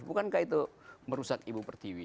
bukankah itu merusak ibu pertiwi